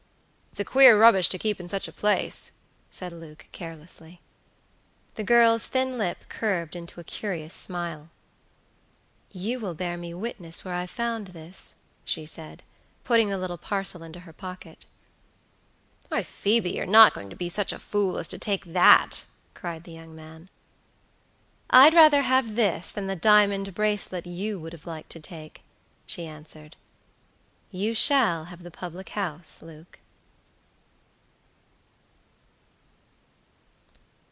"It's queer rubbish to keep in such a place," said Luke, carelessly. The girl's thin lip curved into a curious smile. "You will bear me witness where I found this," she said, putting the little parcel into her pocket. "Why, Phoebe, you're not going to be such a fool as to take that," cried the young man. "I'd rather have this than the diamond bracelet you would have liked to take," she answered; "you shall have the public house, Luke."